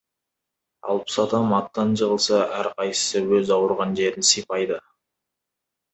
Алпыс адам аттан жығылса, әрқайсысы өз ауырған жерін сипайды.